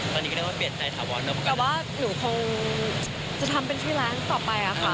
ตอนนี้ก็เรียกว่าเปลี่ยนใจถาวรแต่ว่าหนูคงจะทำเป็นชื่อร้านต่อไปอะค่ะ